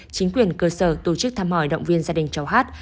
chính quyền cơ sở tổ chức thăm hỏi động viên gia đình cháu hát